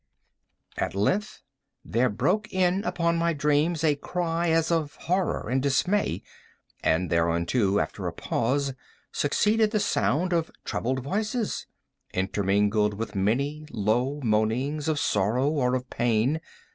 At length there broke in upon my dreams a cry as of horror and dismay; and thereunto, after a pause, succeeded the sound of troubled voices, intermingled with many low moanings of sorrow or of pain.